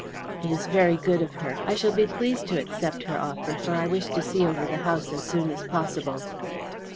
"It is very good of her. I shall be pleased to accept her offer, for I wish to see over the house as soon as possible."